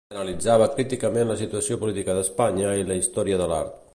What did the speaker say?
Analitzava críticament la situació política d'Espanya i la història de l'art.